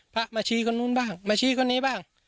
พระมาชี้คนนู้นบ้างมาชี้คนนี้บ้าง